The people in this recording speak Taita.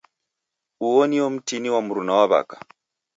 Uo nio mtini wa mruna wa w'aka.